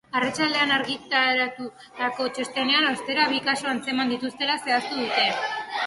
Arratsaldean argitaratutako txostenean, ostera, bi kasu atzeman dituztela zehaztu dute.